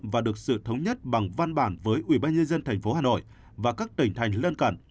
và được sự thống nhất bằng văn bản với ủy ban nhân dân tp hcm và các tỉnh thành lân cản